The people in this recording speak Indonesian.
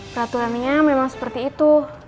peraturan nya memang seperti itu